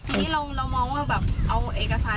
ทีนี้เรามองว่าแบบเอาเอกสารสำคัญหรือว่าบัตรประชาชน